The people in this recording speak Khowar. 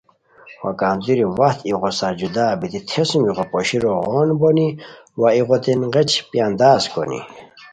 وا کندوری وخت ایغو سار جدا بیتی تھیسوم ایغو پوشیرو غون بونی وا ایغوتین غیچ پیانداز کونی